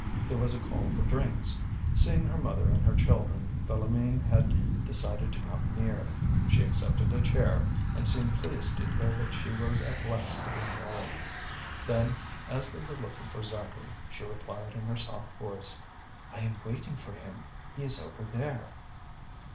There was a call for drinks. Seeing her mother and her children Philoméne had decided to come near. She accepted a chair, and seemed pleased to hear that she was at last to be married; then, as they were looking for Zacharie, she replied in her soft voice: "I am waiting for him; he is over there."